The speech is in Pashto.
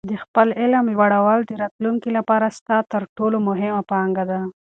د خپل علم لوړول د راتلونکي لپاره ستا تر ټولو مهمه پانګه ده.